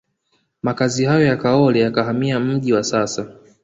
Makazi hayo ya Kaole yakahamia mji wa sasa